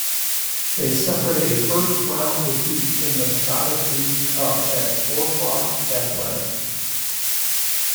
They suffered a first round defeat in the Scottish League Cup at Forfar Athletic.